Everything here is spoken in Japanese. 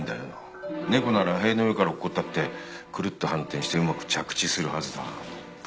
猫なら塀の上から落っこったってくるっと反転してうまく着地するはずだ。